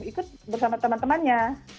ikut bersama teman temannya